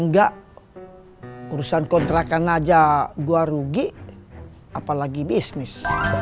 enggak urusan kontrakan aja gua rugi apalagi bisnis